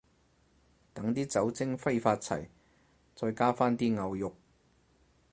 等啲酒精揮發齊，再加返啲牛肉